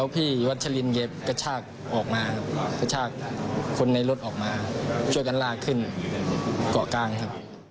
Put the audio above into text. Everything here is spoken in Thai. พี่วัชชะลินเย็บกระชากคนในรถออกมาช่วยกันลากขึ้นเกาะกลางครับ